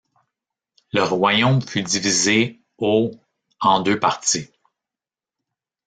Le royaume fut divisé au en deux parties.